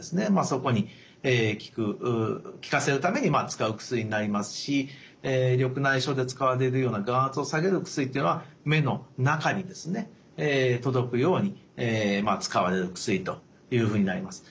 そこに効かせるために使う薬になりますし緑内障で使われるような眼圧を下げる薬っていうのは目の中にですね届くように使われる薬というふうになります。